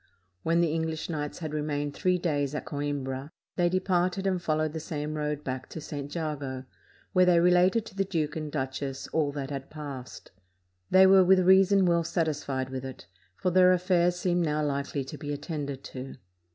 When the English knights had remained three days at Coimbra, they departed and followed the same road back to St. Jago, where they related to the duke and duchess all that had passed. They were with reason well satisfied with it, for their affairs seemed now likely to be attended to.